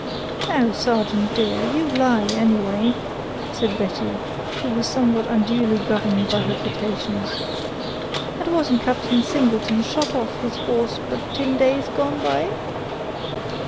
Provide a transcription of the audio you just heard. "Now, sargeant dear, you lie, anyway," said Betty, who was somewhat unduly governed by her potations. "And wasn't Captain Singleton shot off his horse but tin days gone by?